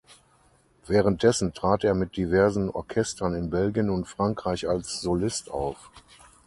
Währenddessen trat er mit diversen Orchestern in Belgien und Frankreich als Solist auf.